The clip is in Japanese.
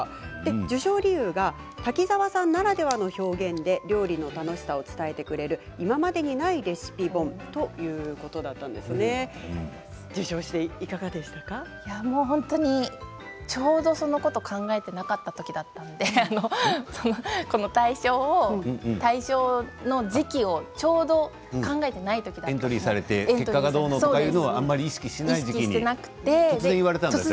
受賞理由は滝沢さんならではの表現で料理の楽しさを伝えてくれる今までにないレシピ本ということなんですがちょうどそのことを考えていなかったときだったのでこの大賞の時期をちょうど考えていないときだったエントリーされて結果はどうとか考えていなかったんですね。